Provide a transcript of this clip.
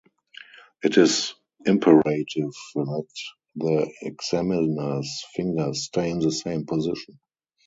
It is imperative that the examiner's fingers stay in the same position.